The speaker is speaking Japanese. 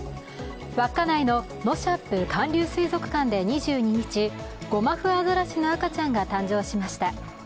稚内のノシャップ寒流水族館で２２日、ゴマフアザラシの赤ちゃんが誕生しました。